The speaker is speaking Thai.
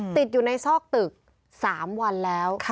ติดอยู่ในซอกตึก๓วันแล้ว